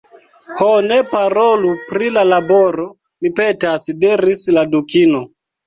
"Ho, ne parolu pri la laboro, mi petas," diris la Dukino. "